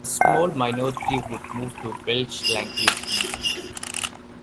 A small minority would move to Welsh language names.